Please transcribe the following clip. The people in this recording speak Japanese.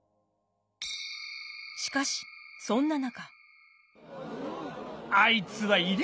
しかしそんな中。